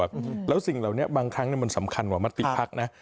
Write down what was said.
จริงแล้วเนี่ยบางครั้งมันสำคัญกว่ามาติดพักนะ